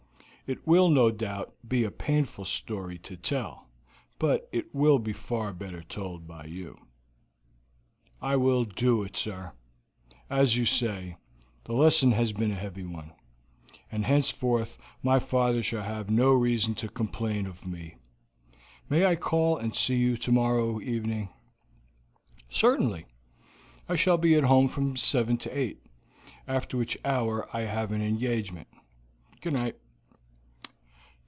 It will, no doubt, be a painful story to tell, but it will be far better told by you." "I will do it, sir; as you say, the lesson has been a heavy one, and henceforth my father shall have no reason to complain of me. May I call and see you tomorrow evening?" "Certainly. I shall be at home from seven to eight, after which hour I have an engagement. Good night."